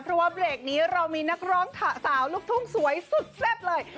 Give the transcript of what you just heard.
เพราะว่าเบรกนี้เรามีนักร้องสาวลูกทุ่งสวยสุดแซ่บเลย